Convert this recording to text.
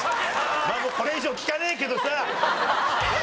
もうこれ以上聞かねえけどさ。